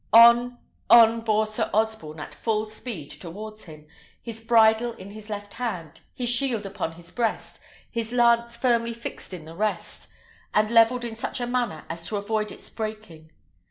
On, on bore Sir Osborne at full speed towards him, his bridle in his left hand, his shield upon his breast, his lance firmly fixed in the rest, and levelled in such a manner as to avoid its breaking.